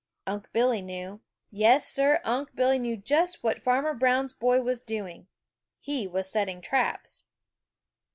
Unc' Billy knew. Yes, Sir, Unc' Billy knew just what Farmer Brown's boy was doing. He was setting traps.